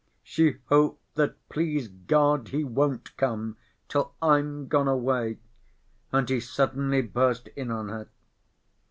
She hoped that "please God he won't come till I'm gone away," and he suddenly burst in on her.